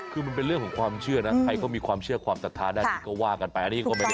คือมันเป็นเรื่องของความเชื่อนะใครก็มีความเชื่อความตัดท้าด้านนี้ก็ว่ากันไป